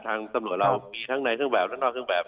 ทางตำรวจเรามีทั้งในเครื่องแบบและนอกเครื่องแบบ